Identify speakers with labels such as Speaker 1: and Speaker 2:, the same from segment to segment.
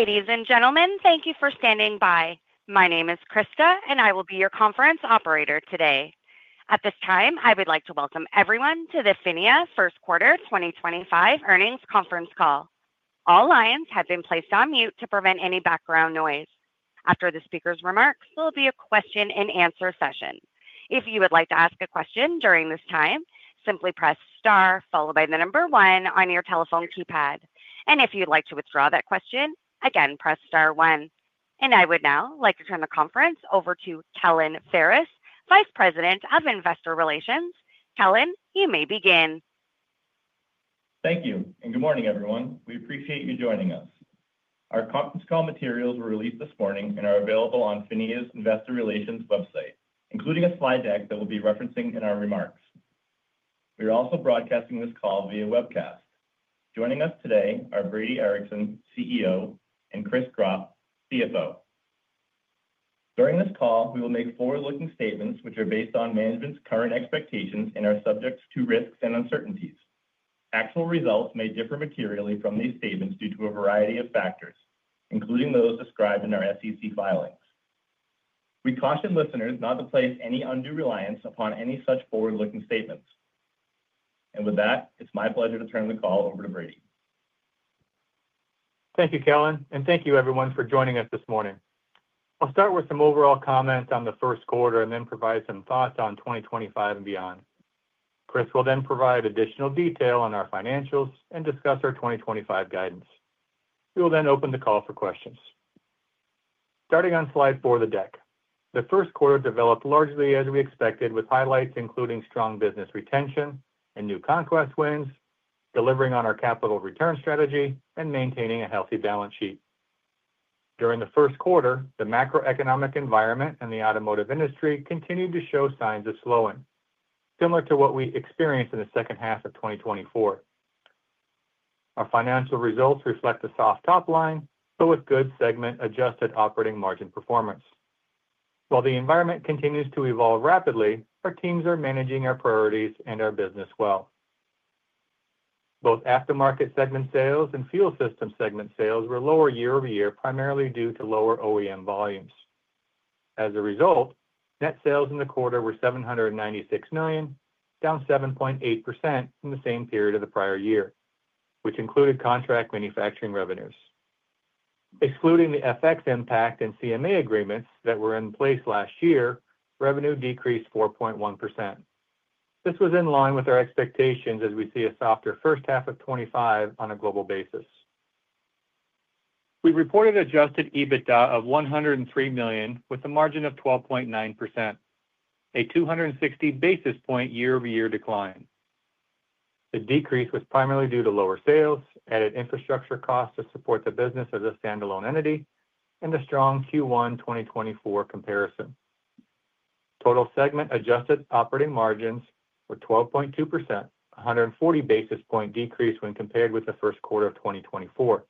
Speaker 1: Ladies and gentlemen, thank you for standing by. My name is Krista, and I will be your conference operator today. At this time, I would like to welcome everyone to the PHINIA First Quarter 2025 Earnings Conference Call. All lines have been placed on mute to prevent any background noise. After the speaker's remarks, there will be a question-and-answer session. If you would like to ask a question during this time, simply press star followed by the number one on your telephone keypad. If you'd like to withdraw that question, again, press star one. I would now like to turn the conference over to Kellen Ferris, Vice President of Investor Relations. Kellen, you may begin.
Speaker 2: Thank you, and good morning, everyone. We appreciate you joining us. Our conference call materials were released this morning and are available on PHINIA's Investor Relations website, including a slide deck that we'll be referencing in our remarks. We are also broadcasting this call via webcast. Joining us today are Brady Ericson, CEO, and Chris Gropp, CFO. During this call, we will make forward-looking statements which are based on management's current expectations and are subject to risks and uncertainties. Actual results may differ materially from these statements due to a variety of factors, including those described in our SEC filings. We caution listeners not to place any undue reliance upon any such forward-looking statements. It is my pleasure to turn the call over to Brady.
Speaker 3: Thank you, Kellen, and thank you, everyone, for joining us this morning. I'll start with some overall comments on the first quarter and then provide some thoughts on 2025 and beyond. Chris will then provide additional detail on our financials and discuss our 2025 guidance. We will then open the call for questions. Starting on slide four of the deck, the first quarter developed largely as we expected, with highlights including strong business retention and new conquest wins, delivering on our capital return strategy, and maintaining a healthy balance sheet. During the first quarter, the macroeconomic environment and the automotive industry continued to show signs of slowing, similar to what we experienced in the second half of 2024. Our financial results reflect a soft top line, but with good segment-adjusted operating margin performance. While the environment continues to evolve rapidly, our teams are managing our priorities and our business well. Both aftermarket segment sales and fuel system segment sales were lower year-over-year, primarily due to lower OEM volumes. As a result, net sales in the quarter were $796 million, down 7.8% in the same period of the prior year, which included contract manufacturing revenues. Excluding the FX impact and CMA agreements that were in place last year, revenue decreased 4.1%. This was in line with our expectations as we see a softer first half of 2025 on a global basis. We reported adjusted EBITDA of $103 million, with a margin of 12.9%, a 260 basis point year-over-year decline. The decrease was primarily due to lower sales, added infrastructure costs to support the business as a standalone entity, and a strong Q1 2024 comparison. Total segment-adjusted operating margins were 12.2%, a 140 basis point decrease when compared with the first quarter of 2024.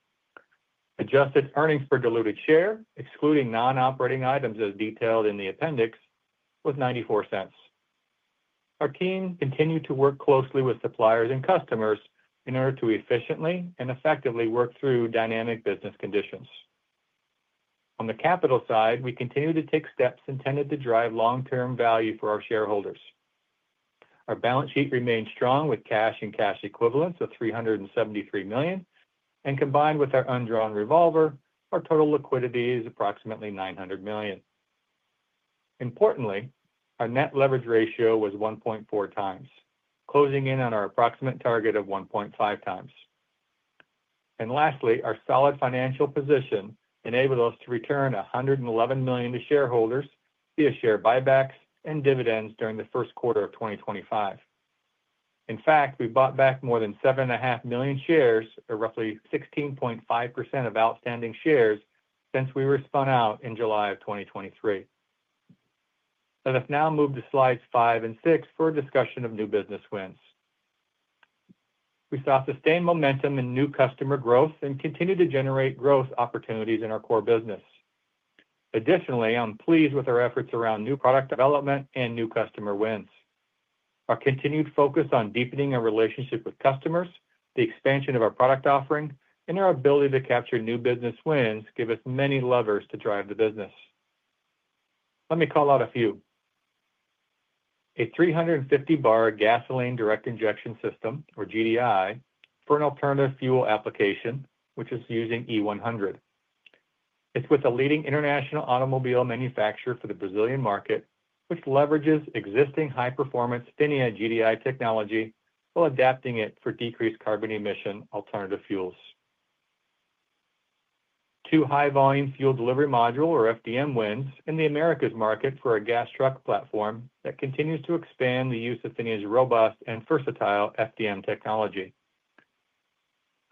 Speaker 3: Adjusted earnings per diluted share, excluding non-operating items as detailed in the appendix, was $0.94. Our team continued to work closely with suppliers and customers in order to efficiently and effectively work through dynamic business conditions. On the capital side, we continue to take steps intended to drive long-term value for our shareholders. Our balance sheet remained strong with cash and cash equivalents of $373 million, and combined with our undrawn revolver, our total liquidity is approximately $900 million. Importantly, our net leverage ratio was 1.4 times, closing in on our approximate target of 1.5 times. Lastly, our solid financial position enabled us to return $111 million to shareholders via share buybacks and dividends during the first quarter of 2025. In fact, we bought back more than 7.5 million shares, or roughly 16.5% of outstanding shares, since we were spun out in July of 2023. I've now moved to slides five and six for a discussion of new business wins. We saw sustained momentum in new customer growth and continued to generate growth opportunities in our core business. Additionally, I'm pleased with our efforts around new product development and new customer wins. Our continued focus on deepening our relationship with customers, the expansion of our product offering, and our ability to capture new business wins give us many levers to drive the business. Let me call out a few. A 350-bar gasoline direct injection system, or GDI, for an alternative fuel application, which is using E100. It's with a leading international automobile manufacturer for the Brazilian market, which leverages existing high-performance PHINIA GDI technology while adapting it for decreased carbon emission alternative fuels. Two high-volume fuel delivery modules, or FDM, wins in the Americas market for a gas truck platform that continues to expand the use of PHINIA's robust and versatile FDM technology.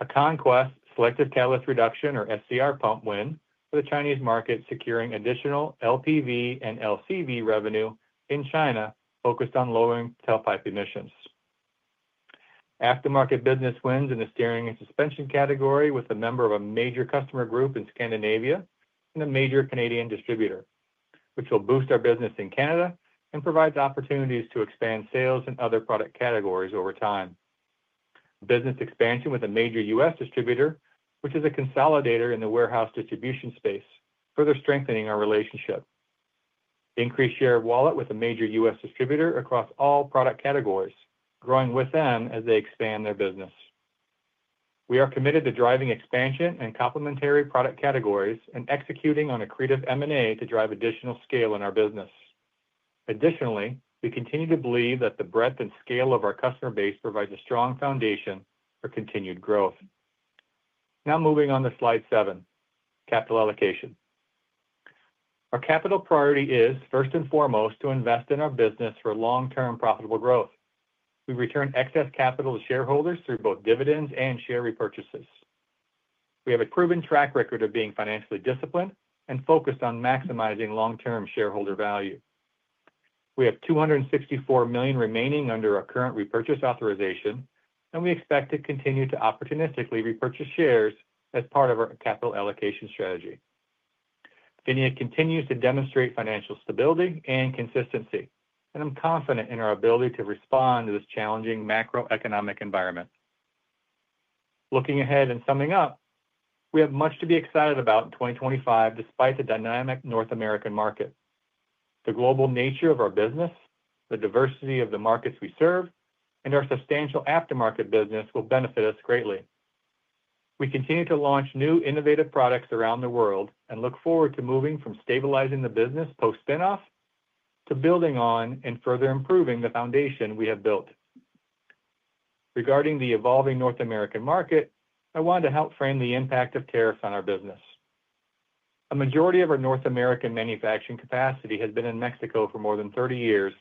Speaker 3: A conquest selective catalyst reduction, or SCR pump, win, for the Chinese market, securing additional LPV and LCV revenue in China focused on lowering tailpipe emissions. Aftermarket business wins in the steering and suspension category with a member of a major customer group in Scandinavia and a major Canadian distributor, which will boost our business in Canada and provides opportunities to expand sales and other product categories over time. Business expansion with a major U.S. distributor, which is a consolidator in the warehouse distribution space, further strengthening our relationship. Increased share of wallet with a major U.S. distributor across all product categories, growing with them as they expand their business. We are committed to driving expansion in complementary product categories and executing on accretive M&A to drive additional scale in our business. Additionally, we continue to believe that the breadth and scale of our customer base provides a strong foundation for continued growth. Now moving on to slide seven, capital allocation. Our capital priority is, first and foremost, to invest in our business for long-term profitable growth. We return excess capital to shareholders through both dividends and share repurchases. We have a proven track record of being financially disciplined and focused on maximizing long-term shareholder value. We have $264 million remaining under our current repurchase authorization, and we expect to continue to opportunistically repurchase shares as part of our capital allocation strategy. PHINIA continues to demonstrate financial stability and consistency, and I'm confident in our ability to respond to this challenging macroeconomic environment. Looking ahead and summing up, we have much to be excited about in 2025 despite the dynamic North American market. The global nature of our business, the diversity of the markets we serve, and our substantial aftermarket business will benefit us greatly. We continue to launch new innovative products around the world and look forward to moving from stabilizing the business post-spinoff to building on and further improving the foundation we have built. Regarding the evolving North American market, I wanted to help frame the impact of tariffs on our business. A majority of our North American manufacturing capacity has been in Mexico for more than 30 years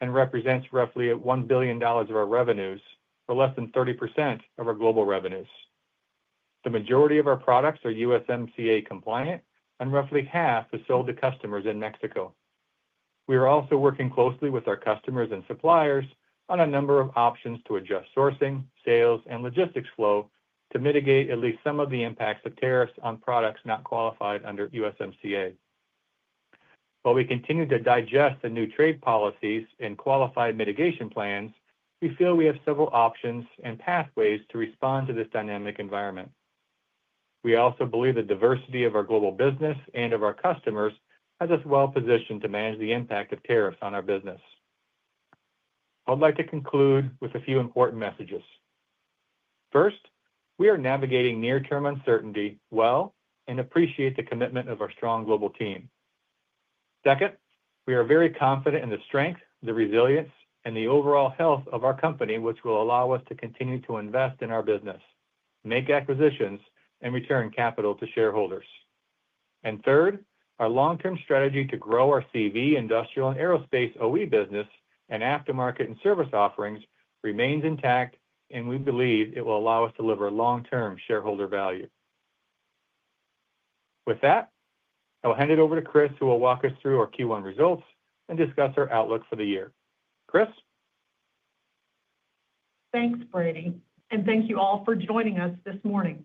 Speaker 3: and represents roughly $1 billion of our revenues, or less than 30% of our global revenues. The majority of our products are USMCA compliant, and roughly half are sold to customers in Mexico. We are also working closely with our customers and suppliers on a number of options to adjust sourcing, sales, and logistics flow to mitigate at least some of the impacts of tariffs on products not qualified under USMCA. While we continue to digest the new trade policies and qualified mitigation plans, we feel we have several options and pathways to respond to this dynamic environment. We also believe the diversity of our global business and of our customers has us well-positioned to manage the impact of tariffs on our business. I would like to conclude with a few important messages. First, we are navigating near-term uncertainty well and appreciate the commitment of our strong global team. Second, we are very confident in the strength, the resilience, and the overall health of our company, which will allow us to continue to invest in our business, make acquisitions, and return capital to shareholders. Third, our long-term strategy to grow our CV, industrial, and aerospace OE business, and aftermarket and service offerings remains intact, and we believe it will allow us to deliver long-term shareholder value. With that, I will hand it over to Chris, who will walk us through our Q1 results and discuss our outlook for the year. Chris.
Speaker 4: Thanks, Brady, and thank you all for joining us this morning.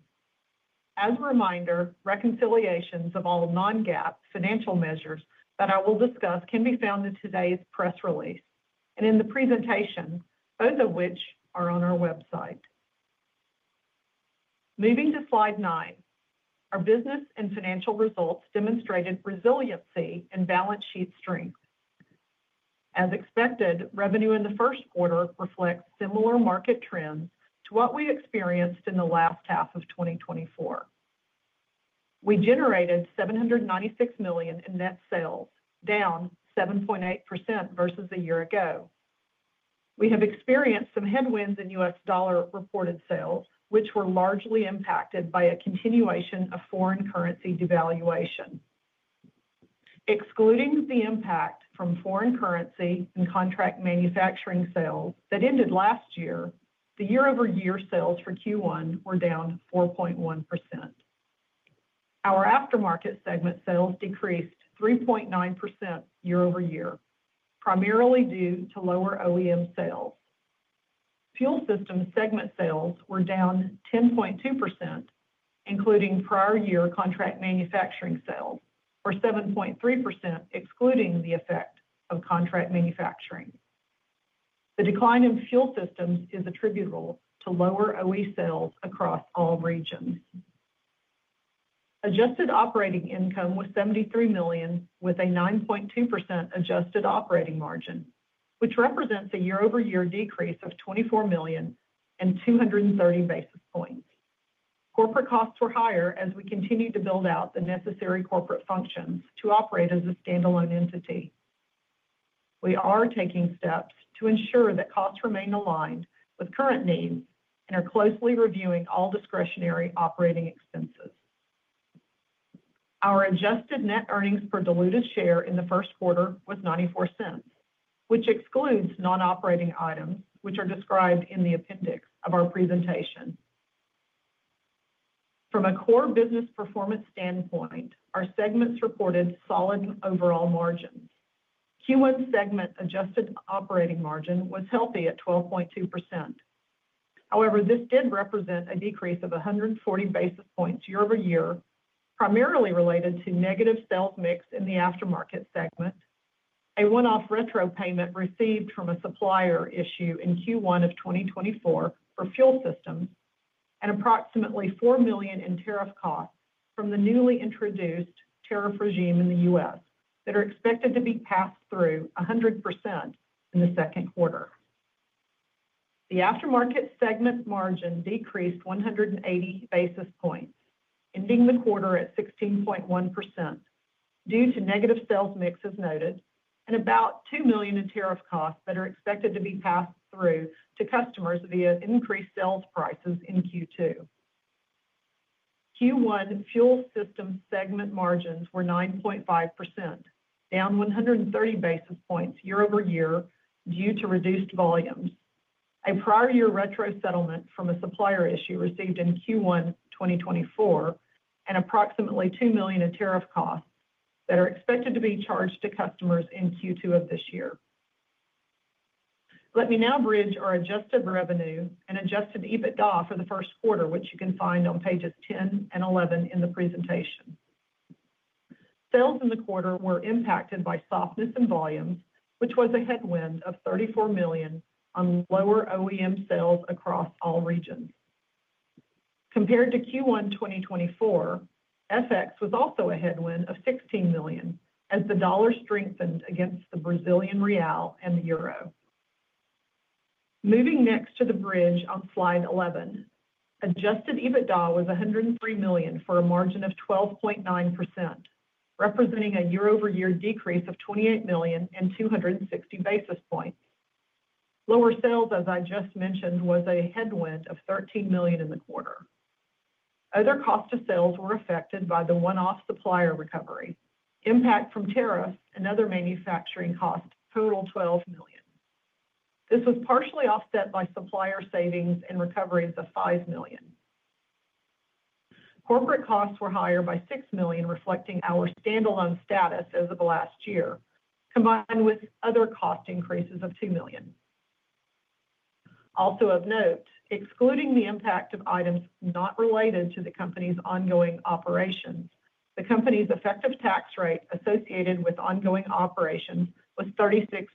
Speaker 4: As a reminder, reconciliations of all non-GAAP financial measures that I will discuss can be found in today's press release and in the presentation, both of which are on our website. Moving to slide nine, our business and financial results demonstrated resiliency and balance sheet strength. As expected, revenue in the first quarter reflects similar market trends to what we experienced in the last half of 2024. We generated $796 million in net sales, down 7.8% versus a year ago. We have experienced some headwinds in U.S. dollar reported sales, which were largely impacted by a continuation of foreign currency devaluation. Excluding the impact from foreign currency and contract manufacturing sales that ended last year, the year-over-year sales for Q1 were down 4.1%. Our aftermarket segment sales decreased 3.9% year-over-year, primarily due to lower OEM sales. Fuel systems segment sales were down 10.2%, including prior-year contract manufacturing sales, or 7.3% excluding the effect of contract manufacturing. The decline in fuel systems is attributable to lower OE sales across all regions. Adjusted operating income was $73 million, with a 9.2% adjusted operating margin, which represents a year-over-year decrease of $24 million and 230 basis points. Corporate costs were higher as we continued to build out the necessary corporate functions to operate as a standalone entity. We are taking steps to ensure that costs remain aligned with current needs and are closely reviewing all discretionary operating expenses. Our adjusted net earnings per diluted share in the first quarter was $0.94, which excludes non-operating items, which are described in the appendix of our presentation. From a core business performance standpoint, our segments reported solid overall margins. Q1 segment adjusted operating margin was healthy at 12.2%. However, this did represent a decrease of 140 basis points year-over-year, primarily related to negative sales mix in the aftermarket segment, a one-off retro payment received from a supplier issue in Q1 of 2024 for fuel systems, and approximately $4 million in tariff costs from the newly introduced tariff regime in the U.S. that are expected to be passed through 100% in the second quarter. The aftermarket segment margin decreased 180 basis points, ending the quarter at 16.1% due to negative sales mix, as noted, and about $2 million in tariff costs that are expected to be passed through to customers via increased sales prices in Q2. Q1 fuel systems segment margins were 9.5%, down 130 basis points year-over-year due to reduced volumes. A prior-year retro settlement from a supplier issue received in Q1 2024 and approximately $2 million in tariff costs that are expected to be charged to customers in Q2 of this year. Let me now bridge our adjusted revenue and adjusted EBITDA for the first quarter, which you can find on pages 10 and 11 in the presentation. Sales in the quarter were impacted by softness in volumes, which was a headwind of $34 million on lower OEM sales across all regions. Compared to Q1 2024, FX was also a headwind of $16 million, as the dollar strengthened against the Brazilian real and the euro. Moving next to the bridge on slide 11, adjusted EBITDA was $103 million for a margin of 12.9%, representing a year-over-year decrease of $28 million and 260 basis points. Lower sales, as I just mentioned, was a headwind of $13 million in the quarter. Other costs of sales were affected by the one-off supplier recovery. Impact from tariffs and other manufacturing costs totaled $12 million. This was partially offset by supplier savings and recoveries of $5 million. Corporate costs were higher by $6 million, reflecting our standalone status as of last year, combined with other cost increases of $2 million. Also of note, excluding the impact of items not related to the company's ongoing operations, the company's effective tax rate associated with ongoing operations was 36%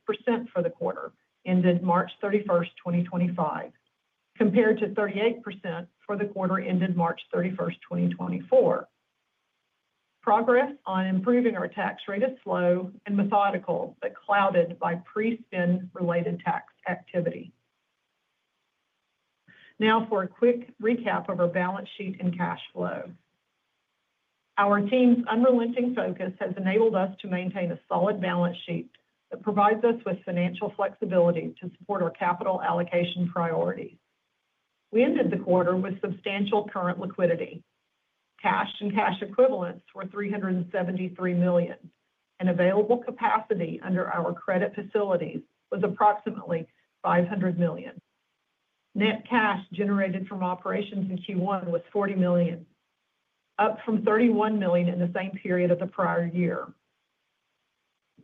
Speaker 4: for the quarter ended March 31, 2025, compared to 38% for the quarter ended March 31, 2024. Progress on improving our tax rate is slow and methodical, but clouded by pre-spin-related tax activity. Now for a quick recap of our balance sheet and cash flow. Our team's unrelenting focus has enabled us to maintain a solid balance sheet that provides us with financial flexibility to support our capital allocation priorities. We ended the quarter with substantial current liquidity. Cash and cash equivalents were $373 million, and available capacity under our credit facilities was approximately $500 million. Net cash generated from operations in Q1 was $40 million, up from $31 million in the same period of the prior year.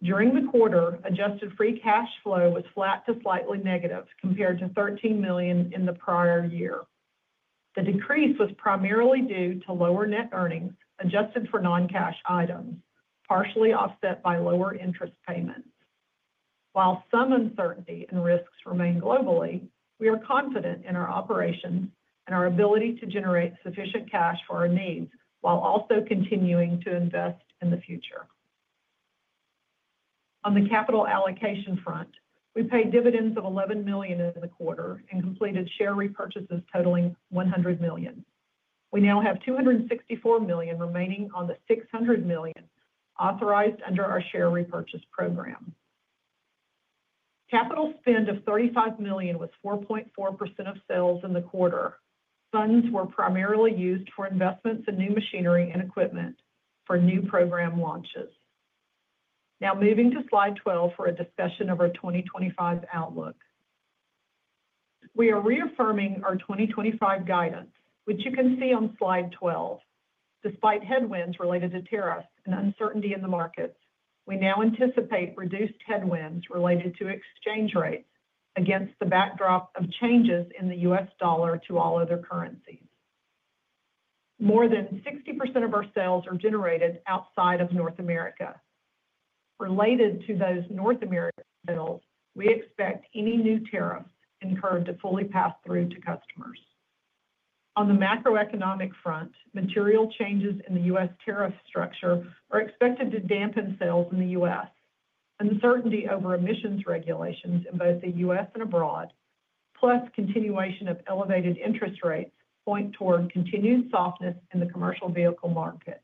Speaker 4: During the quarter, adjusted free cash flow was flat to slightly negative compared to $13 million in the prior year. The decrease was primarily due to lower net earnings adjusted for non-cash items, partially offset by lower interest payments. While some uncertainty and risks remain globally, we are confident in our operations and our ability to generate sufficient cash for our needs while also continuing to invest in the future. On the capital allocation front, we paid dividends of $11 million over the quarter and completed share repurchases totaling $100 million. We now have $264 million remaining on the $600 million authorized under our share repurchase program. Capital spend of $35 million was 4.4% of sales in the quarter. Funds were primarily used for investments in new machinery and equipment for new program launches. Now moving to slide 12 for a discussion of our 2025 outlook. We are reaffirming our 2025 guidance, which you can see on slide 12. Despite headwinds related to tariffs and uncertainty in the markets, we now anticipate reduced headwinds related to exchange rates against the backdrop of changes in the U.S. dollar to all other currencies. More than 60% of our sales are generated outside of North America. Related to those North American sales, we expect any new tariffs incurred to fully pass through to customers. On the macroeconomic front, material changes in the U.S. tariff structure are expected to dampen sales in the U.S. Uncertainty over emissions regulations in both the U.S. and abroad, plus continuation of elevated interest rates, point toward continued softness in the commercial vehicle market.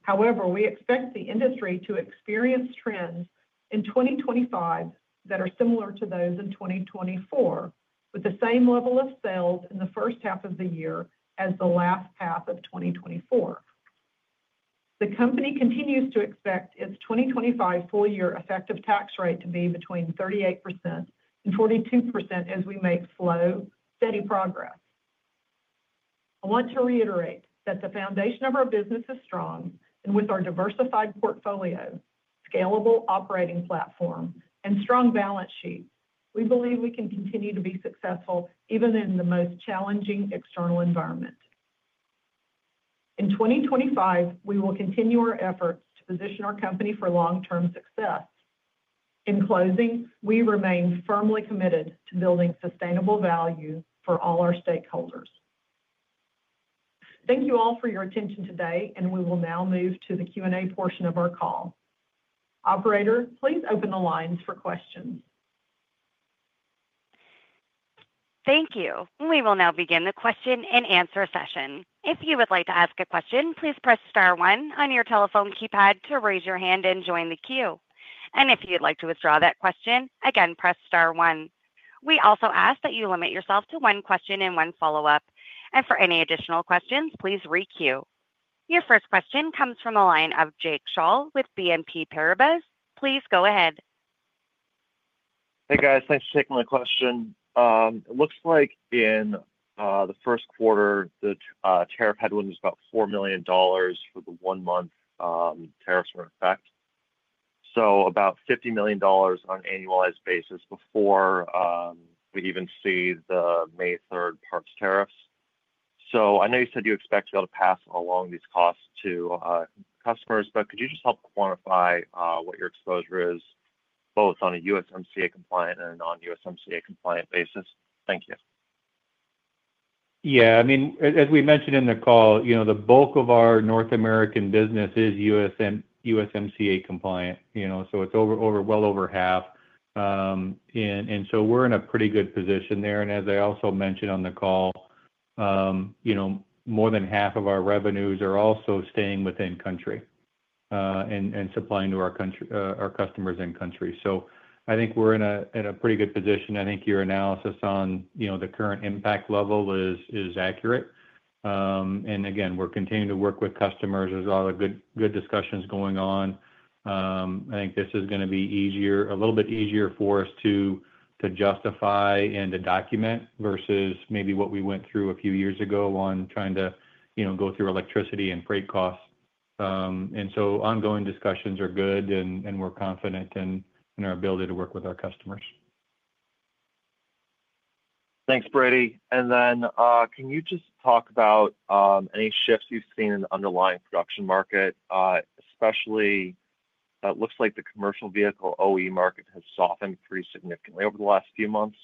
Speaker 4: However, we expect the industry to experience trends in 2025 that are similar to those in 2024, with the same level of sales in the first half of the year as the last half of 2024. The company continues to expect its 2025 full-year effective tax rate to be between 38% and 42% as we make slow, steady progress. I want to reiterate that the foundation of our business is strong, and with our diversified portfolio, scalable operating platform, and strong balance sheet, we believe we can continue to be successful even in the most challenging external environment. In 2025, we will continue our efforts to position our company for long-term success. In closing, we remain firmly committed to building sustainable value for all our stakeholders. Thank you all for your attention today, and we will now move to the Q&A portion of our call. Operator, please open the lines for questions.
Speaker 1: Thank you. We will now begin the question and answer session. If you would like to ask a question, please press star one on your telephone keypad to raise your hand and join the queue. If you'd like to withdraw that question, again, press star one. We also ask that you limit yourself to one question and one follow-up. For any additional questions, please re-queue. Your first question comes from the line of Jake Scholl with BNP Paribas. Please go ahead.
Speaker 5: Hey, guys. Thanks for taking my question. It looks like in the first quarter, the tariff headwind is about $4 million for the one-month tariffs were in effect. So about $50 million on an annualized basis before we even see the May 3rd parts tariffs. I know you said you expect to be able to pass along these costs to customers, but could you just help quantify what your exposure is, both on a USMCA-compliant and a non-USMCA-compliant basis? Thank you.
Speaker 3: Yeah. I mean, as we mentioned in the call, you know the bulk of our North American business is USMCA-compliant. You know, so it is over, over, well over half. And so we are in a pretty good position there. As I also mentioned on the call, you know more than half of our revenues are also staying within country and supplying to our customers in country. I think we are in a pretty good position. I think your analysis on the current impact level is accurate. Again, we are continuing to work with customers. There is a lot of good discussions going on. I think this is going to be easier, a little bit easier for us to justify and to document versus maybe what we went through a few years ago on trying to go through electricity and freight costs. Ongoing discussions are good, and we're confident in our ability to work with our customers.
Speaker 5: Thanks, Brady. Can you just talk about any shifts you've seen in the underlying production market, especially it looks like the commercial vehicle OE market has softened pretty significantly over the last few months?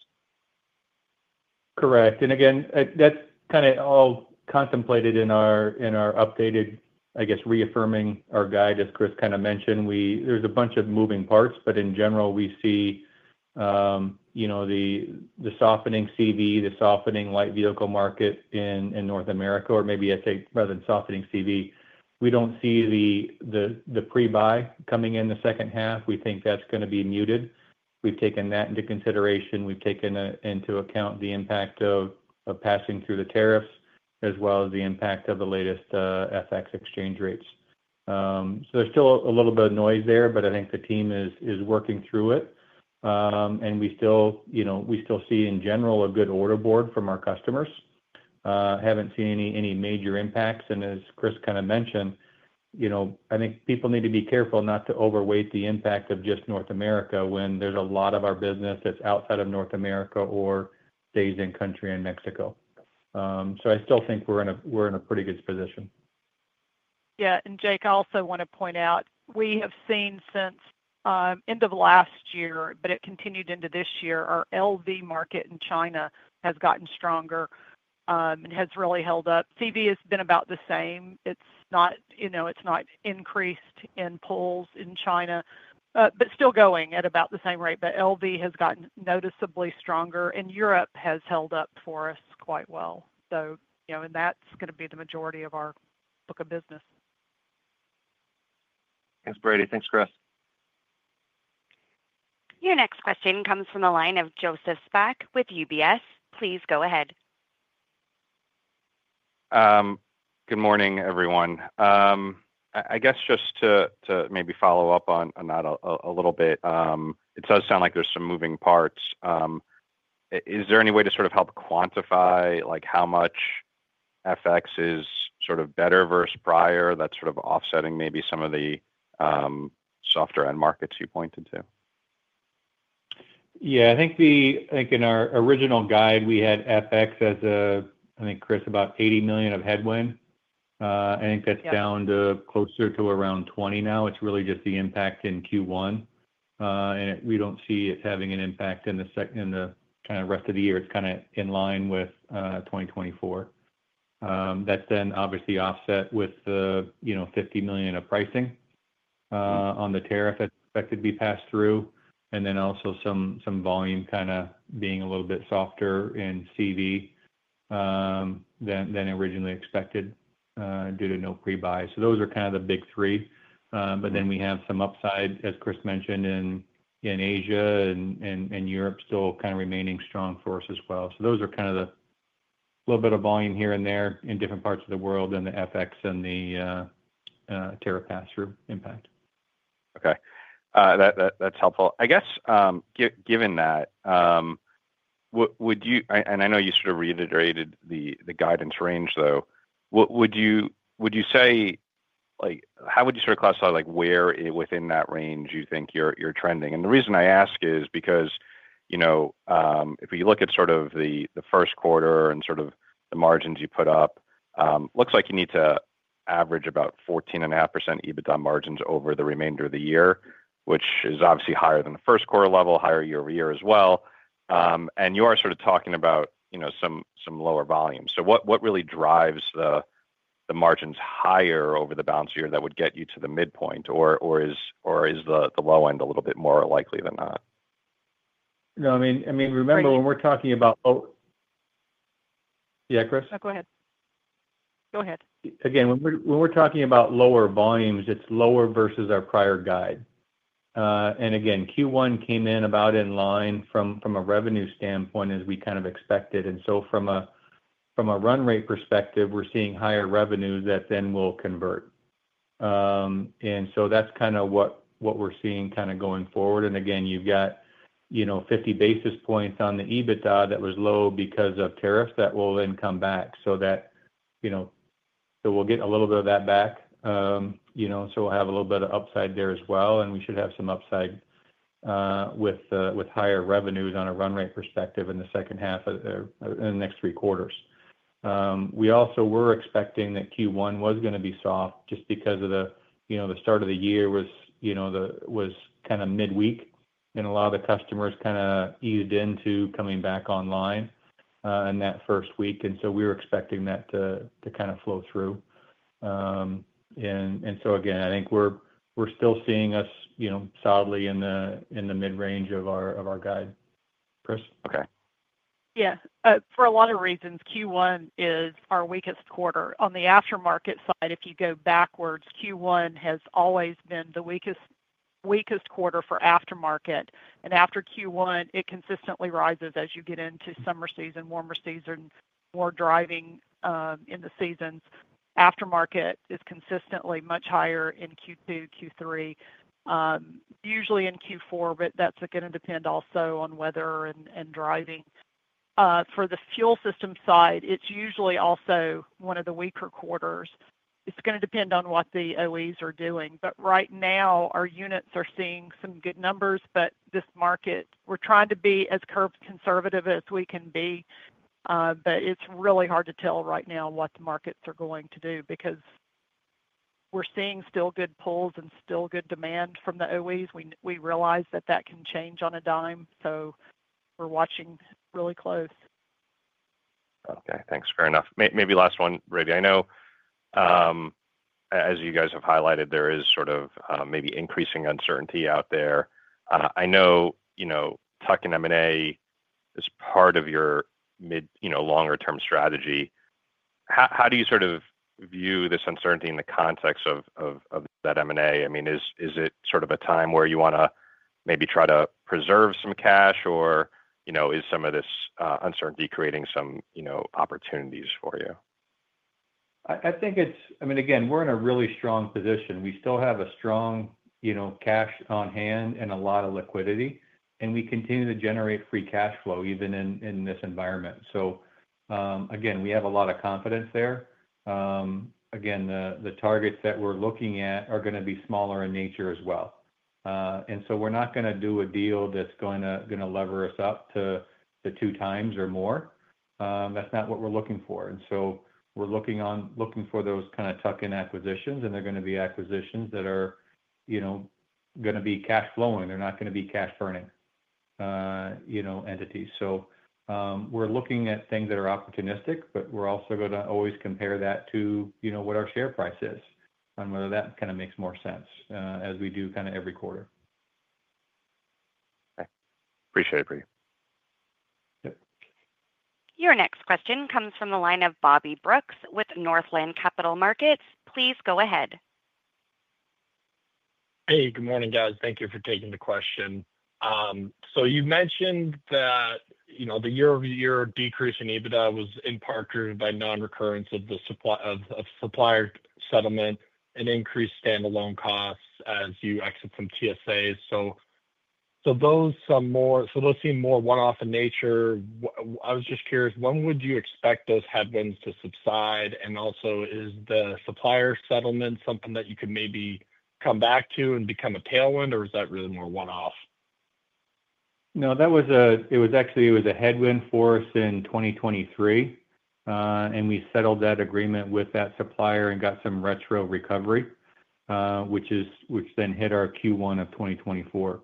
Speaker 3: Correct. Again, that's kind of all contemplated in our updated, I guess, reaffirming our guide, as Chris kind of mentioned. There's a bunch of moving parts, but in general, we see the softening CV, the softening light vehicle market in North America, or maybe I'd say rather than softening CV, we don't see the pre-buy coming in the second half. We think that's going to be muted. We've taken that into consideration. We've taken into account the impact of passing through the tariffs, as well as the impact of the latest FX exchange rates. There's still a little bit of noise there, but I think the team is working through it. We still see, in general, a good order board from our customers. Haven't seen any major impacts. As Chris kind of mentioned, I think people need to be careful not to overweight the impact of just North America when there's a lot of our business that's outside of North America or stays in country in Mexico. I still think we're in a pretty good position.
Speaker 4: Yeah. Jake, I also want to point out we have seen since end of last year, but it continued into this year, our LV market in China has gotten stronger and has really held up. CV has been about the same. It's not increased in polls in China, but still going at about the same rate. LV has gotten noticeably stronger. Europe has held up for us quite well. That is going to be the majority of our book of business.
Speaker 5: Thanks, Brady. Thanks, Chris.
Speaker 1: Your next question comes from the line of Joseph Spak with UBS. Please go ahead.
Speaker 6: Good morning, everyone. I guess just to maybe follow up on that a little bit, it does sound like there's some moving parts. Is there any way to sort of help quantify how much FX is sort of better versus prior that's sort of offsetting maybe some of the softer end markets you pointed to?
Speaker 3: Yeah. I think in our original guide, we had FX as a, I think, Chris, about $80 million of headwind. I think that's down to closer to around $20 million now. It's really just the impact in Q1. We don't see it having an impact in the kind of rest of the year. It's kind of in line with 2024. That's then obviously offset with the $50 million of pricing on the tariff expected to be passed through. Also, some volume kind of being a little bit softer in CV than originally expected due to no pre-buy. Those are kind of the big three. We have some upside, as Chris mentioned, in Asia and Europe still kind of remaining strong for us as well. Those are kind of the little bit of volume here and there in different parts of the world and the FX and the tariff pass-through impact.
Speaker 6: Okay. That's helpful. I guess given that, and I know you sort of reiterated the guidance range, though, would you say how would you sort of classify where within that range you think you're trending? The reason I ask is because if you look at sort of the first quarter and sort of the margins you put up, it looks like you need to average about 14.5% EBITDA margins over the remainder of the year, which is obviously higher than the first quarter level, higher year-over-year as well. You are sort of talking about some lower volume. What really drives the margins higher over the balance of the year that would get you to the midpoint, or is the low end a little bit more likely than not?
Speaker 3: No, I mean, remember when we're talking about. Yeah, Chris?
Speaker 4: No, go ahead. Go ahead.
Speaker 3: Again, when we're talking about lower volumes, it's lower versus our prior guide. Again, Q1 came in about in line from a revenue standpoint as we kind of expected. From a run rate perspective, we're seeing higher revenue that then will convert. That's kind of what we're seeing going forward. Again, you've got 50 basis points on the EBITDA that was low because of tariffs that will then come back. We'll get a little bit of that back. We'll have a little bit of upside there as well. We should have some upside with higher revenues on a run rate perspective in the second half of the next three quarters. We also were expecting that Q1 was going to be soft just because the start of the year was kind of midweek. A lot of the customers kind of eased into coming back online in that first week. We were expecting that to kind of flow through. I think we're still seeing us solidly in the midrange of our guide. Chris?
Speaker 6: Okay.
Speaker 4: Yeah. For a lot of reasons, Q1 is our weakest quarter. On the aftermarket side, if you go backwards, Q1 has always been the weakest quarter for aftermarket. After Q1, it consistently rises as you get into summer season, warmer season, more driving in the seasons. Aftermarket is consistently much higher in Q2, Q3, usually in Q4, but that is going to depend also on weather and driving. For the fuel system side, it is usually also one of the weaker quarters. It is going to depend on what the OEs are doing. Right now, our units are seeing some good numbers, but this market, we are trying to be as conservative as we can be. It is really hard to tell right now what the markets are going to do because we are seeing still good pulls and still good demand from the OEs. We realize that that can change on a dime. We are watching really close.
Speaker 6: Okay. Thanks, fair enough. Maybe last one, Brady. I know as you guys have highlighted, there is sort of maybe increasing uncertainty out there. I know tucking M&A is part of your longer-term strategy. How do you sort of view this uncertainty in the context of that M&A? I mean, is it sort of a time where you want to maybe try to preserve some cash, or is some of this uncertainty creating some opportunities for you?
Speaker 3: I think it's, I mean, again, we're in a really strong position. We still have a strong cash on hand and a lot of liquidity. We continue to generate free cash flow even in this environment. We have a lot of confidence there. The targets that we're looking at are going to be smaller in nature as well. We're not going to do a deal that's going to lever us up to two times or more. That's not what we're looking for. We're looking for those kind of tuck-in acquisitions, and they're going to be acquisitions that are going to be cash-flowing. They're not going to be cash-burning entities. We're looking at things that are opportunistic, but we're also going to always compare that to what our share price is and whether that kind of makes more sense as we do kind of every quarter.
Speaker 6: Okay. Appreciate it, Brady.
Speaker 1: Your next question comes from the line of Bobby Brooks with Northland Capital Markets. Please go ahead.
Speaker 7: Hey, good morning, guys. Thank you for taking the question. You mentioned that the year-over-year decrease in EBITDA was in part driven by non-recurrence of the supplier settlement and increased standalone costs as you exit from TSA. Those seem more one-off in nature. I was just curious, when would you expect those headwinds to subside? Also, is the supplier settlement something that you could maybe come back to and become a tailwind, or is that really more one-off?
Speaker 3: No, that was actually a headwind for us in 2023. We settled that agreement with that supplier and got some retro recovery, which then hit our Q1 of 2024.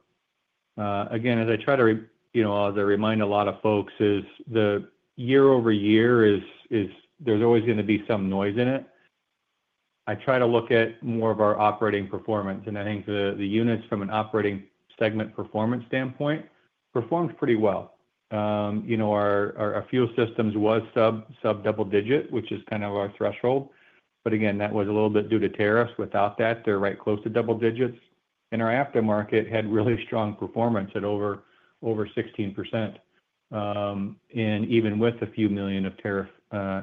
Speaker 3: Again, as I try to remind a lot of folks, the year-over-year, there is always going to be some noise in it. I try to look at more of our operating performance. I think the units from an operating segment performance standpoint performed pretty well. Our fuel systems were sub-double digit, which is kind of our threshold. That was a little bit due to tariffs. Without that, they are right close to double digits. Our aftermarket had really strong performance at over 16% and even with a few million of tariff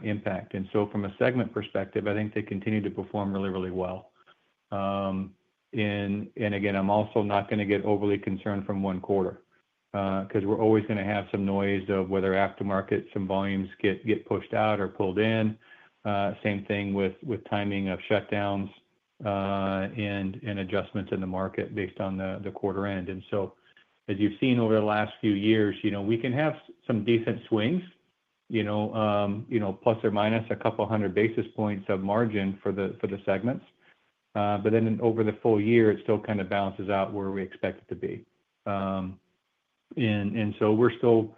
Speaker 3: impact. From a segment perspective, I think they continue to perform really, really well. I am also not going to get overly concerned from one quarter because we are always going to have some noise of whether aftermarket, some volumes get pushed out or pulled in. The same thing with timing of shutdowns and adjustments in the market based on the quarter end. As you have seen over the last few years, we can have some decent swings, plus or minus a couple of hundred basis points of margin for the segments. Over the full year, it still kind of balances out where we expect it to be. We are still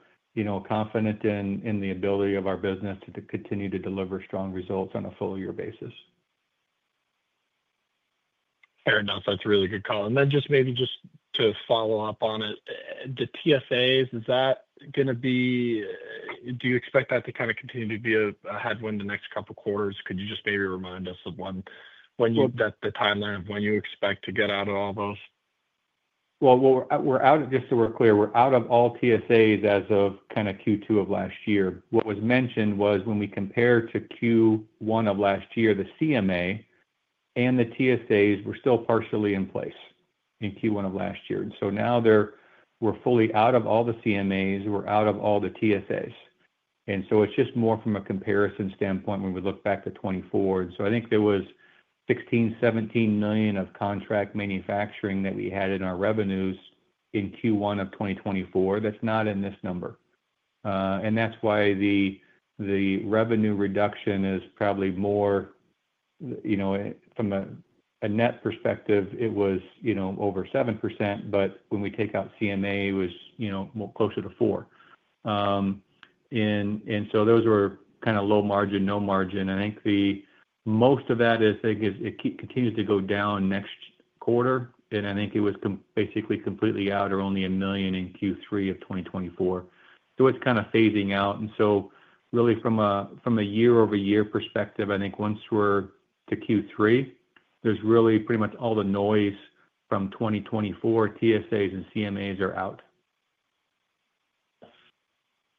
Speaker 3: confident in the ability of our business to continue to deliver strong results on a full-year basis.
Speaker 7: Fair enough. That's a really good call. Just maybe to follow up on it, the TSAs, is that going to be, do you expect that to kind of continue to be a headwind the next couple of quarters? Could you just maybe remind us of the timeline of when you expect to get out of all those?
Speaker 3: We are out of, just so we're clear, we are out of all TSAs as of kind of Q2 of last year. What was mentioned was when we compared to Q1 of last year, the CMA and the TSAs were still partially in place in Q1 of last year. Now we are fully out of all the CMAs. We are out of all the TSAs. It is just more from a comparison standpoint when we look back to 2024. I think there was $16 million-$17 million of contract manufacturing that we had in our revenues in Q1 of 2024. That is not in this number. That is why the revenue reduction is probably more from a net perspective, it was over 7%, but when we take out CMA, it was closer to 4%. Those were kind of low margin, no margin. I think most of that, I think, continues to go down next quarter. I think it was basically completely out or only a million in Q3 of 2024. It is kind of phasing out. Really from a year-over-year perspective, I think once we're to Q3, there is really pretty much all the noise from 2024, TSAs and CMAs are out.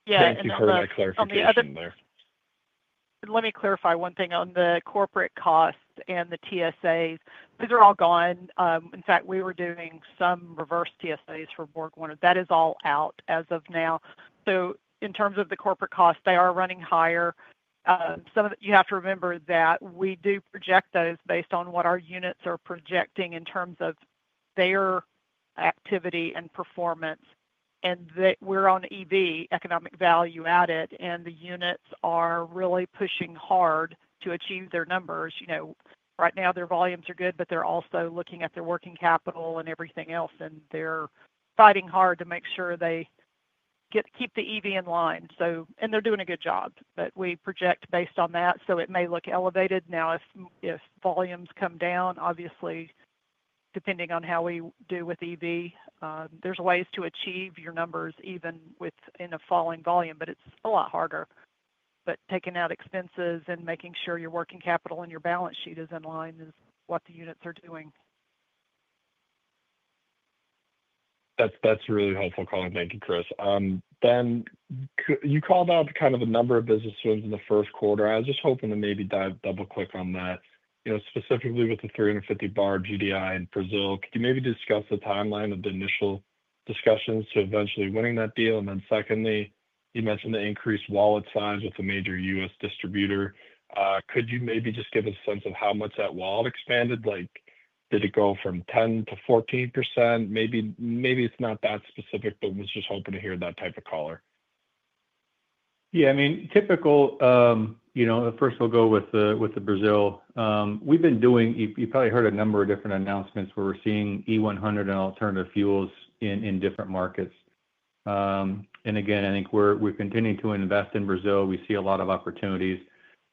Speaker 4: Yeah.
Speaker 7: Thank you for the clarification there.
Speaker 4: Let me clarify one thing on the corporate costs and the TSAs. These are all gone. In fact, we were doing some reverse TSAs for BorgWarner that is all out as of now. In terms of the corporate costs, they are running higher. You have to remember that we do project those based on what our units are projecting in terms of their activity and performance. We are on EV, economic value added, and the units are really pushing hard to achieve their numbers. Right now, their volumes are good, but they are also looking at their working capital and everything else. They are fighting hard to make sure they keep the EV in line. They are doing a good job, but we project based on that. It may look elevated. Now, if volumes come down, obviously, depending on how we do with EV, there's ways to achieve your numbers even in a falling volume, but it's a lot harder. Taking out expenses and making sure your working capital and your balance sheet is in line is what the units are doing.
Speaker 7: That's really helpful comment. Thank you, Chris. You called out kind of the number of business swings in the first quarter. I was just hoping to maybe double-click on that. Specifically with the 350-bar GDI in Brazil, could you maybe discuss the timeline of the initial discussions to eventually winning that deal? Secondly, you mentioned the increased wallet size with a major U.S. distributor. Could you maybe just give a sense of how much that wallet expanded? Did it go from 10% to 14%? Maybe it's not that specific, but was just hoping to hear that type of color.
Speaker 3: Yeah. I mean, typical, first we'll go with the Brazil. We've been doing, you've probably heard a number of different announcements where we're seeing E100 and alternative fuels in different markets. I think we're continuing to invest in Brazil. We see a lot of opportunities.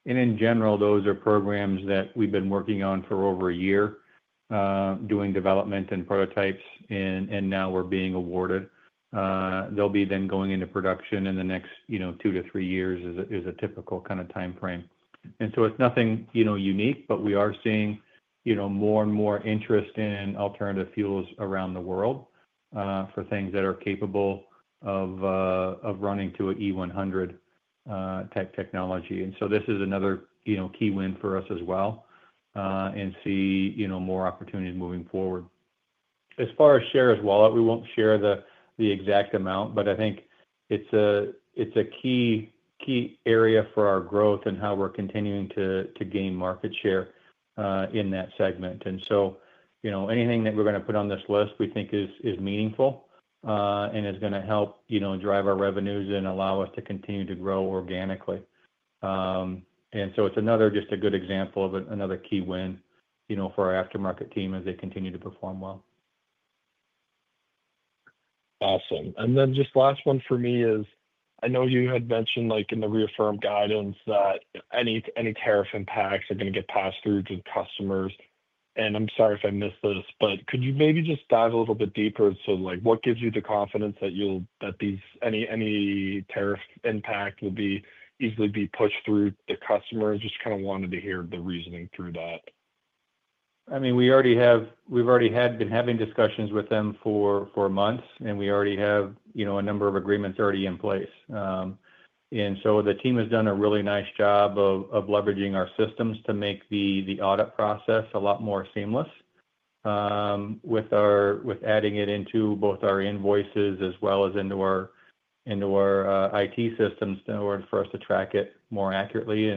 Speaker 3: In general, those are programs that we've been working on for over a year, doing development and prototypes, and now we're being awarded. They'll be then going into production in the next two to three years is a typical kind of timeframe. It is nothing unique, but we are seeing more and more interest in alternative fuels around the world for things that are capable of running to an E100 type technology. This is another key win for us as well and see more opportunities moving forward. As far as share of wallet, we won't share the exact amount, but I think it's a key area for our growth and how we're continuing to gain market share in that segment. Anything that we're going to put on this list, we think is meaningful and is going to help drive our revenues and allow us to continue to grow organically. It's just a good example of another key win for our aftermarket team as they continue to perform well.
Speaker 7: Awesome. Just last one for me is, I know you had mentioned in the reaffirmed guidance that any tariff impacts are going to get passed through to the customers. I'm sorry if I missed this, but could you maybe just dive a little bit deeper? What gives you the confidence that any tariff impact will easily be pushed through to customers? Just kind of wanted to hear the reasoning through that.
Speaker 3: I mean, we've already been having discussions with them for months, and we already have a number of agreements already in place. The team has done a really nice job of leveraging our systems to make the audit process a lot more seamless with adding it into both our invoices as well as into our IT systems in order for us to track it more accurately.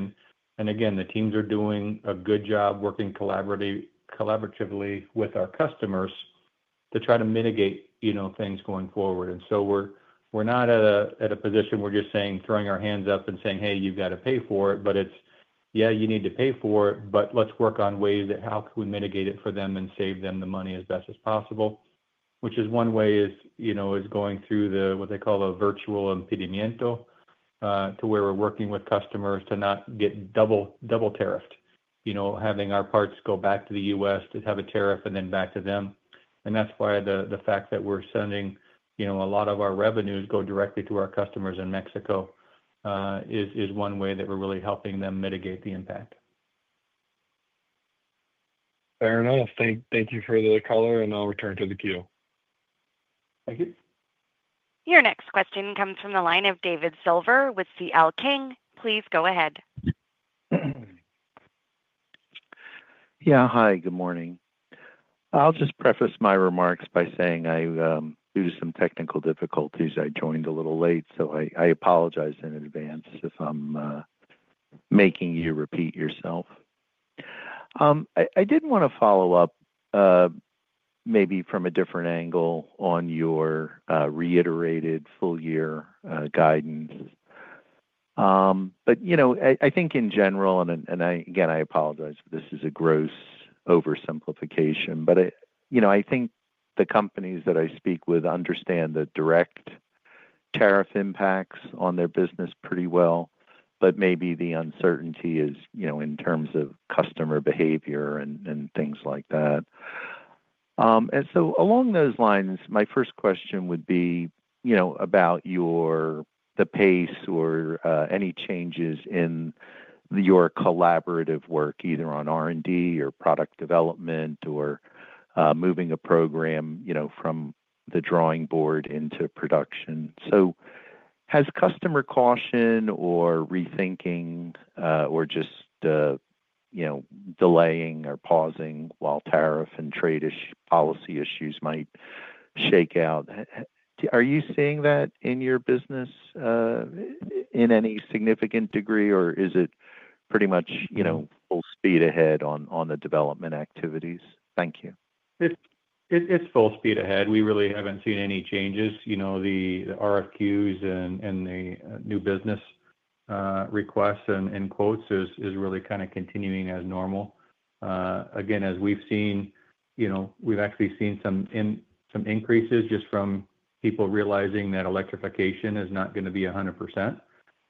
Speaker 3: Again, the teams are doing a good job working collaboratively with our customers to try to mitigate things going forward. We are not at a position where we are just saying, throwing our hands up and saying, "Hey, you have got to pay for it." It is, "Yeah, you need to pay for it, but let's work on ways that, how can we mitigate it for them and save them the money as best as possible?" One way is going through what they call a virtual pedimento, where we are working with customers to not get double tariffed, having our parts go back to the U.S. to have a tariff and then back to them. That is why the fact that we are sending a lot of our revenues directly to our customers in Mexico is one way that we are really helping them mitigate the impact.
Speaker 7: Fair enough. Thank you for the caller, and I'll return to the queue.
Speaker 1: Thank you. Your next question comes from the line of David Silver with CL King. Please go ahead.
Speaker 8: Yeah. Hi, good morning. I'll just preface my remarks by saying due to some technical difficulties, I joined a little late, so I apologize in advance if I'm making you repeat yourself. I did want to follow up maybe from a different angle on your reiterated full-year guidance. I think in general, and again, I apologize if this is a gross oversimplification, but I think the companies that I speak with understand the direct tariff impacts on their business pretty well, but maybe the uncertainty is in terms of customer behavior and things like that. Along those lines, my first question would be about the pace or any changes in your collaborative work, either on R&D or product development or moving a program from the drawing board into production. Has customer caution or rethinking or just delaying or pausing while tariff and trade policy issues might shake out? Are you seeing that in your business in any significant degree, or is it pretty much full speed ahead on the development activities? Thank you.
Speaker 3: It's full speed ahead. We really haven't seen any changes. The RFQs and the new business requests and quotes is really kind of continuing as normal. Again, as we've seen, we've actually seen some increases just from people realizing that electrification is not going to be 100%,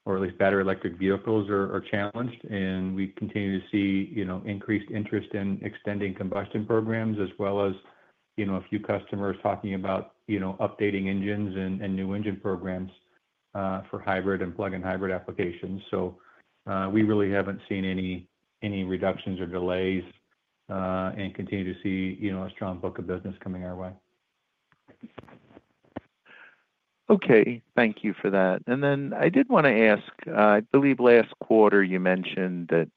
Speaker 3: or at least battery electric vehicles are challenged. And we continue to see increased interest in extending combustion programs as well as a few customers talking about updating engines and new engine programs for hybrid and plug-in hybrid applications. We really haven't seen any reductions or delays and continue to see a strong book of business coming our way.
Speaker 8: Okay. Thank you for that. I did want to ask, I believe last quarter you mentioned that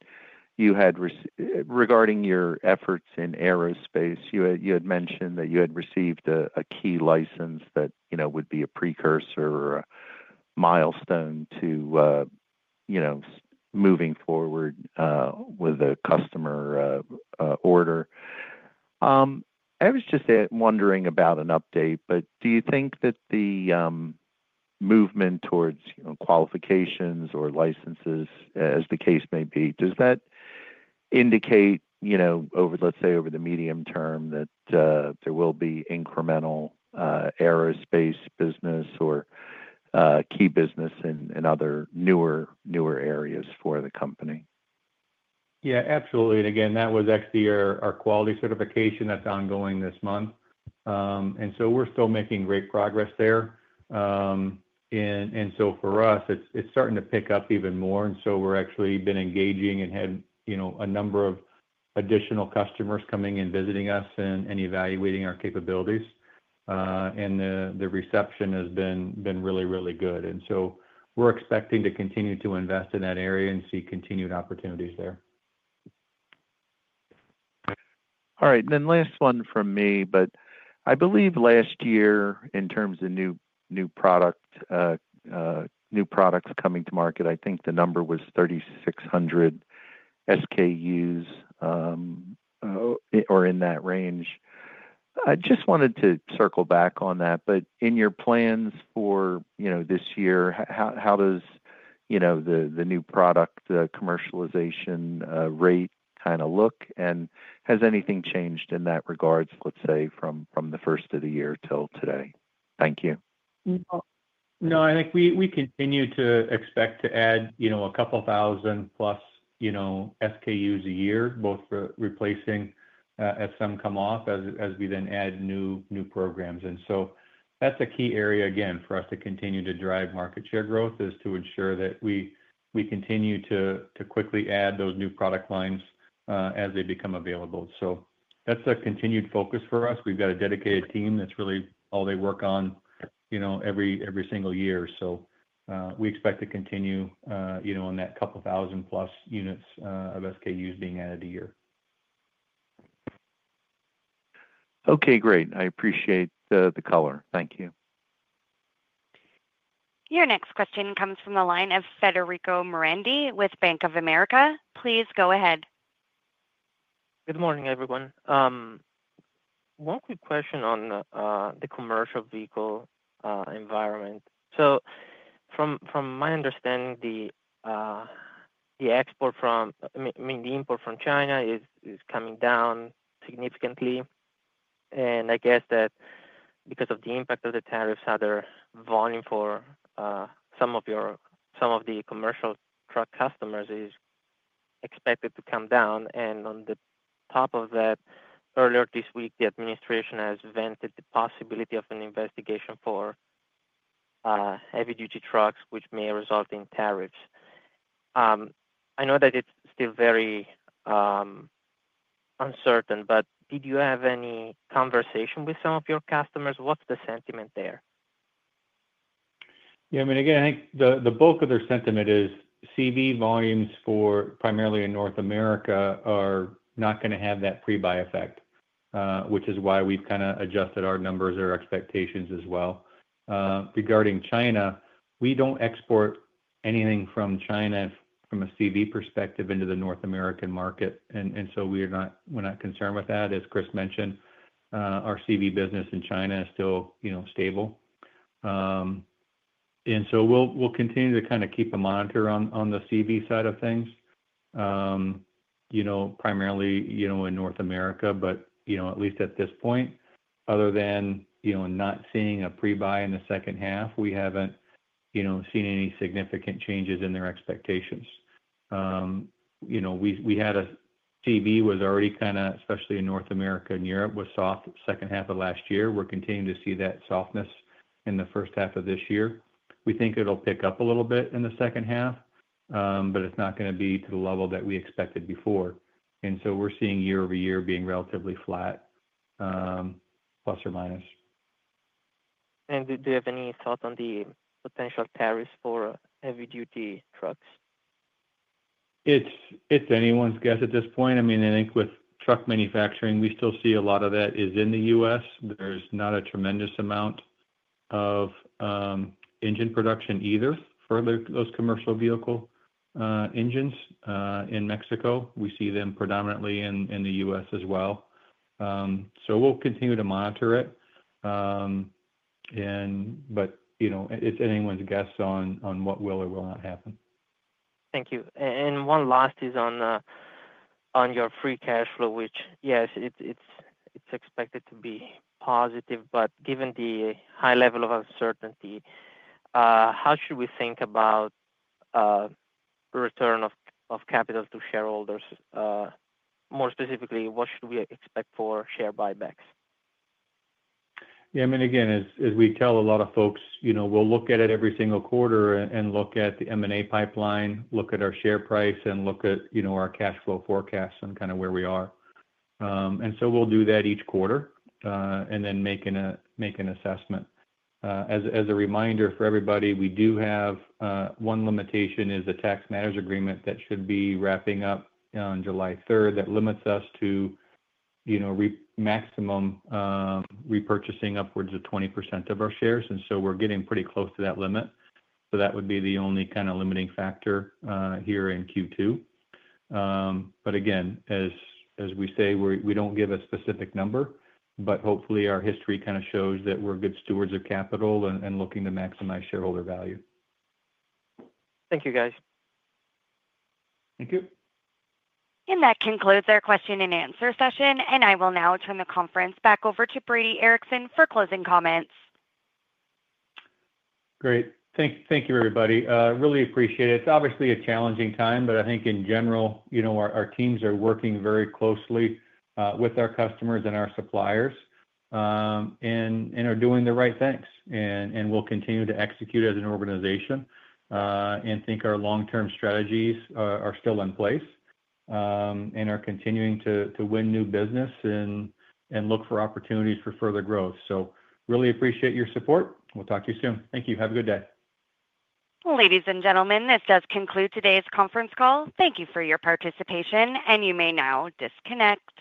Speaker 8: regarding your efforts in aerospace, you had mentioned that you had received a key license that would be a precursor or a milestone to moving forward with a customer order. I was just wondering about an update, do you think that the movement towards qualifications or licenses, as the case may be, does that indicate, let's say, over the medium term that there will be incremental aerospace business or key business in other newer areas for the company?
Speaker 3: Yeah, absolutely. That was actually our quality certification that is ongoing this month. We are still making great progress there. For us, it is starting to pick up even more. We have actually been engaging and had a number of additional customers coming and visiting us and evaluating our capabilities. The reception has been really, really good. We are expecting to continue to invest in that area and see continued opportunities there.
Speaker 8: All right. Last one from me. I believe last year, in terms of new products coming to market, I think the number was 3,600 SKUs or in that range. I just wanted to circle back on that. In your plans for this year, how does the new product, the commercialization rate kind of look? Has anything changed in that regard, let's say, from the first of the year till today? Thank you.
Speaker 3: No, I think we continue to expect to add a couple thousand plus SKUs a year, both replacing as some come off as we then add new programs. That is a key area, again, for us to continue to drive market share growth is to ensure that we continue to quickly add those new product lines as they become available. That is a continued focus for us. We have got a dedicated team that is really all they work on every single year. We expect to continue on that couple thousand plus units of SKUs being added a year.
Speaker 8: Okay. Great. I appreciate the color. Thank you.
Speaker 1: Your next question comes from the line of Federico Merendi with Bank of America. Please go ahead.
Speaker 9: Good morning, everyone. One quick question on the commercial vehicle environment. From my understanding, the import from China is coming down significantly. I guess that because of the impact of the tariffs, other volume for some of the commercial truck customers is expected to come down. On top of that, earlier this week, the administration has vented the possibility of an investigation for heavy-duty trucks, which may result in tariffs. I know that it's still very uncertain, but did you have any conversation with some of your customers? What's the sentiment there?
Speaker 3: Yeah. I mean, again, I think the bulk of their sentiment is CV volumes for primarily in North America are not going to have that pre-buy effect, which is why we've kind of adjusted our numbers or expectations as well. Regarding China, we do not export anything from China from a CV perspective into the North American market. We are not concerned with that. As Chris mentioned, our CV business in China is still stable. We will continue to kind of keep a monitor on the CV side of things, primarily in North America, but at least at this point, other than not seeing a pre-buy in the second half, we have not seen any significant changes in their expectations. We had a CV was already kind of, especially in North America and Europe, was soft second half of last year. We're continuing to see that softness in the first half of this year. We think it'll pick up a little bit in the second half, but it's not going to be to the level that we expected before. We are seeing year over year being relatively flat, plus or minus.
Speaker 9: Do you have any thoughts on the potential tariffs for heavy-duty trucks?
Speaker 3: It's anyone's guess at this point. I mean, I think with truck manufacturing, we still see a lot of that is in the U.S. There's not a tremendous amount of engine production either for those commercial vehicle engines in Mexico. We see them predominantly in the U.S. as well. We will continue to monitor it. It's anyone's guess on what will or will not happen.
Speaker 9: Thank you. One last is on your free cash flow, which, yes, it's expected to be positive. Given the high level of uncertainty, how should we think about return of capital to shareholders? More specifically, what should we expect for share buybacks?
Speaker 3: Yeah. I mean, again, as we tell a lot of folks, we'll look at it every single quarter and look at the M&A pipeline, look at our share price, and look at our cash flow forecasts and kind of where we are. We'll do that each quarter and then make an assessment. As a reminder for everybody, we do have one limitation is the Tax Matters Agreement that should be wrapping up on July 3rd that limits us to maximum repurchasing upwards of 20% of our shares. We're getting pretty close to that limit. That would be the only kind of limiting factor here in Q2. Again, as we say, we don't give a specific number, but hopefully our history kind of shows that we're good stewards of capital and looking to maximize shareholder value.
Speaker 9: Thank you, guys.
Speaker 3: Thank you.
Speaker 1: That concludes our question and answer session. I will now turn the conference back over to Brady Ericson for closing comments.
Speaker 3: Great. Thank you, everybody. Really appreciate it. It's obviously a challenging time, but I think in general, our teams are working very closely with our customers and our suppliers and are doing the right things. We will continue to execute as an organization and think our long-term strategies are still in place and are continuing to win new business and look for opportunities for further growth. Really appreciate your support. We'll talk to you soon. Thank you. Have a good day.
Speaker 1: Ladies and gentlemen, this does conclude today's conference call. Thank you for your participation, and you may now disconnect.